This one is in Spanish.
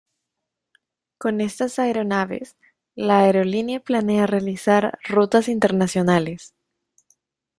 Con estas aeronaves, la aerolínea planea realizar rutas internacionales.